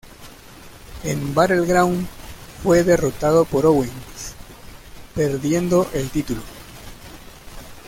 En Battleground, fue derrotado por Owens, perdiendo el título.